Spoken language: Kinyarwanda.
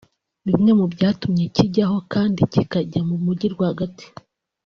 Bimwe mu byatumye kijyaho kandi kikajya mu mujyi rwagati